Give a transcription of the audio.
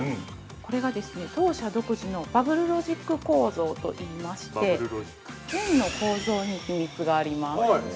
◆これがですね、当社独自のバブルロジック構造といいまして栓の構造に秘密があります。